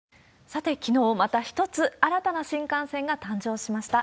さて、きのう、また一つ新たな新幹線が誕生しました。